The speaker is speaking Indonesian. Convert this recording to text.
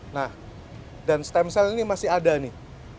nah dan stem cell ini masih ada nih